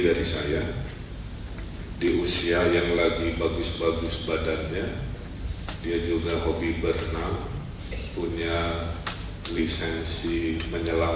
dari saya di usia yang lagi bagus bagus badannya dia juga hobi berenang punya lisensi menyelam